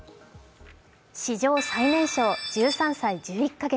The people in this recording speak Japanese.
史上最年少１３歳１１か月。